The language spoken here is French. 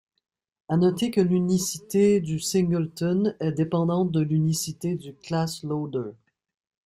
À noter que l'unicité du singleton est dépendante de l'unicité du ClassLoader.